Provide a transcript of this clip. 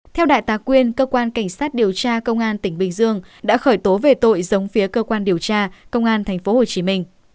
theo đại tá quyên cơ quan cảnh sát điều tra công an tỉnh bình dương đã khởi tố về tội giống phía cơ quan điều tra công an tp hcm